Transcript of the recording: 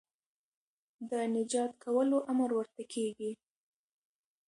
د نجات کولو امر ورته کېږي